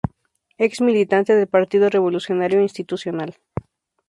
Ex militante del Partido Revolucionario Institucional.